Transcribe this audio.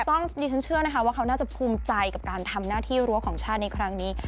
ต้องดิฉันเชื่อนะคะว่าเขาน่าจะภูมิใจกับการทำหน้าที่รั้วของชาติในครั้งนี้